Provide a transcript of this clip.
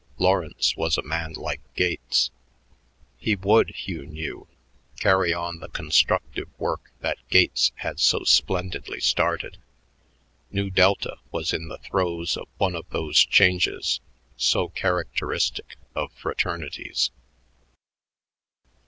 Lawrence was a man like Gates. He would, Hugh knew, carry on the constructive work that Gates had so splendidly started. Nu Delta was in the throes of one of those changes so characteristic of fraternities.